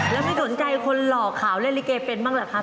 แล้วไม่สนใจคนหล่อขาวเล่นลิเกเป็นบ้างเหรอครับ